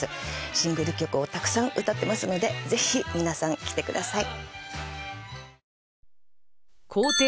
シングル曲をたくさん歌ってますので是非皆さん来てください